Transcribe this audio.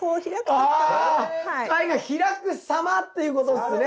貝が開くさまっていうことですね。